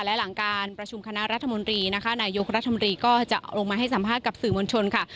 และหลังการประชุมคณะรัฐมนตรีนะคะนายกรัฐมนตรีก็จะออกมาให้สัมภาษณ์กับสื่อมวลชนค่ะ